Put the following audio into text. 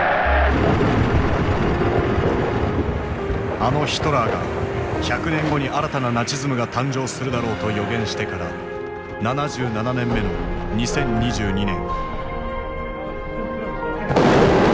あのヒトラーが「１００年後に新たなナチズムが誕生するだろう」と予言してから７７年目の２０２２年。